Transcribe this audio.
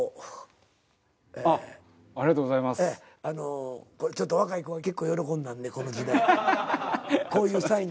あのこれちょっと若い子が結構喜んだんでこの時代。